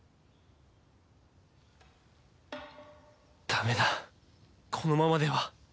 ダメだこのままでは